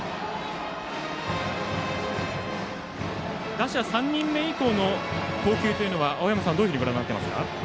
打者３人目以降の投球は青山さん、どういうふうにご覧になっていますか？